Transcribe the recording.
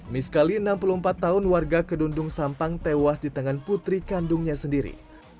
miskali enam puluh empat tahun warga kedundung sampang tewas di tangan putri kandungnya sendiri